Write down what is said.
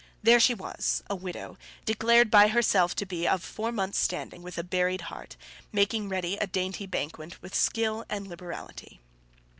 There she was, a widow, declared by herself to be of four months' standing, with a buried heart, making ready a dainty banquet with skill and liberality.